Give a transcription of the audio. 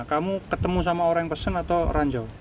kamu ketemu sama orang yang pesen atau ranjau